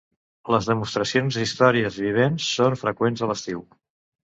Les demostracions d'històries vivents són freqüents a l'estiu.